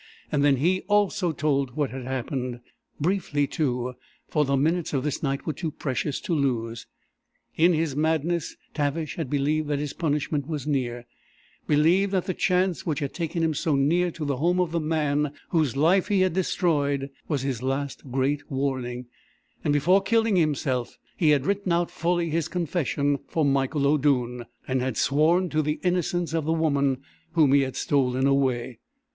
And then he, also, told what had happened briefly, too, for the minutes of this night were too precious to lose. In his madness Tavish had believed that his punishment was near believed that the chance which had taken him so near to the home of the man whose life he had destroyed was his last great warning, and before killing himself he had written out fully his confession for Michael O'Doone, and had sworn to the innocence of the woman whom he had stolen away.